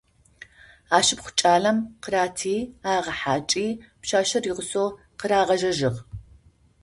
Ашыпхъу кӏалэм къырати, агъэхьакӏи, пшъашъэр игъусэу къырагъэжьэжьыгъ.